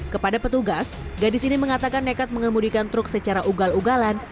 kepada petugas gadis ini mengatakan nekat mengemudikan truk secara ugal ugalan